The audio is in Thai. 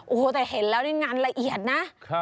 โอ้โหแต่เห็นแล้วในงานละเอียดนะ